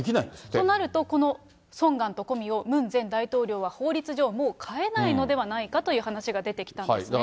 となるとこのソンガンとコミをムン前大統領は法律上、もう飼えないのではないかという話が出てきたんですね。